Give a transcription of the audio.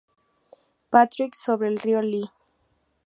Patrick sobre el Río Lee.